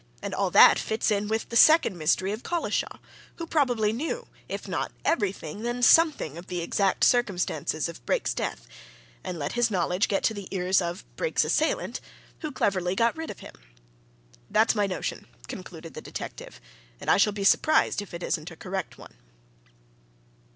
And all that fits in with the second mystery of Collishaw who probably knew, if not everything, then something, of the exact circumstances of Brake's death, and let his knowledge get to the ears of Brake's assailant! who cleverly got rid of him. That's my notion," concluded the detective. "And I shall be surprised if it isn't a correct one!"